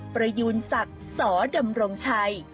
ประยูนสัตว์สอดำรงชัย